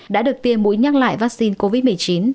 đã được tiêm mũi nhắc lại vaccine covid một mươi chín